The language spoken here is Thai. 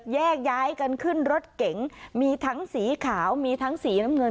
แยกย้ายกันขึ้นรถเก๋งมีทั้งสีขาวมีทั้งสีน้ำเงิน